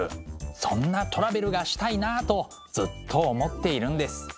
そんなトラベルがしたいなとずっと思っているんです。